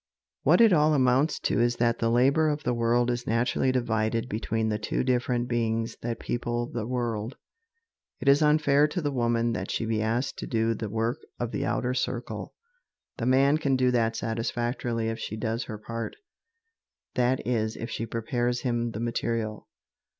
What it all amounts to is that the labor of the world is naturally divided between the two different beings that people the world. It is unfair to the woman that she be asked to do the work of the outer circle. The man can do that satisfactorily if she does her part; that is, if she prepares him the material.